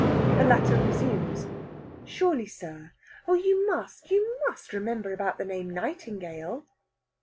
The latter resumes: "Surely, sir! Oh, you must, you must remember about the name Nightingale?"